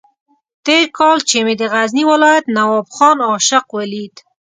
تېر کال چې مې د غزني ولایت نواب خان عاشق ولید.